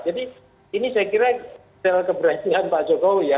jadi ini saya kira sel keberanian pak jokowi ya